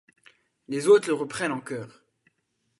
Les autres le reprennent en chœur.